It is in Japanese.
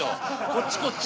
こっちこっち。